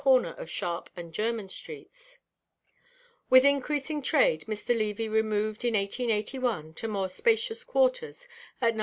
corner of Sharp and German streets. With increasing trade, Mr. Levy removed in 1881 to more spacious quarters at Nos.